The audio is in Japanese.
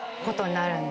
なるんだ！